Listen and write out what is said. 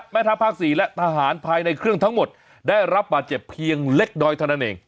แม่ทัพภาค๔และทหารภายในเครื่องทั้งหมดได้รับบาดเจ็บเพียงเล็กน้อยเท่านั้นเอง